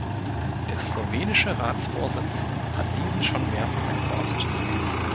Der slowenische Ratsvorsitz hat diesen schon mehrfach gefordert.